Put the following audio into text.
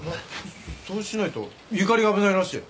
そうしないとゆかりが危ないらしい。